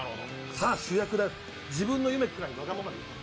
「さあ主役だよ、自分の夢くらいわがままでいさせて」